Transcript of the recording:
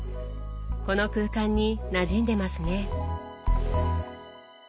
この空間になじんでますね。